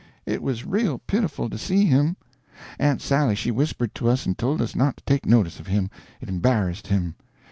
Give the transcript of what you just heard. It was real pitiful to see him. Aunt Sally she whispered to us and told us not to take notice of him, it embarrassed him.